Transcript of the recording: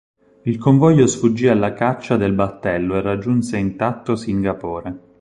Il convoglio sfuggì alla caccia del battello e raggiunse intatto Singapore.